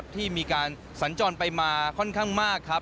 ที่มีการสัญจรไปมาค่อนข้างมากครับ